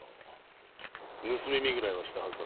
盗み見ぐらいはしたはずだぞ。